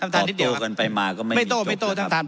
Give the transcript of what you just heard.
ต่อกันไปมาก็ไม่มีจบนะครับ